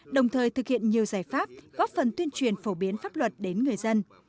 đồng thời thực hiện nhiều giải pháp góp phần tuyên truyền phổ biến pháp luật đến người dân